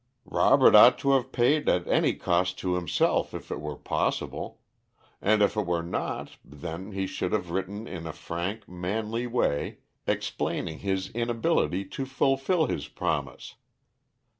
"Robert ought to have paid at any cost to himself if it were possible; and if it were not, then he should have written in a frank, manly way, explaining his inability to fulfill his promise.